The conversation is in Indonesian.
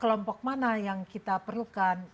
kelompok mana yang kita perlukan